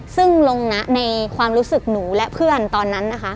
ซึ่งลงนะในความรู้สึกหนูและเพื่อนตอนนั้นนะคะ